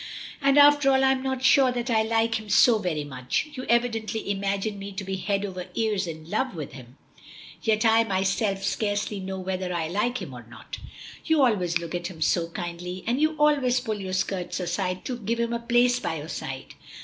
"And after all I'm not sure that I like him so very much. You evidently imagine me to be head over ears in love with him, yet I, myself, scarcely know whether I like him or not." "You always look at him so kindly, and you always pull your skirts aside to give him a place by your side."